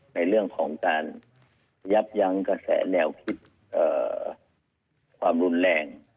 ในเรื่องของการยับยั้งกระแสแนวคิดความรุนแรง